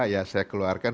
ya saya keluarkan